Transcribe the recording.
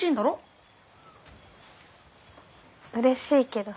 うれしいけど。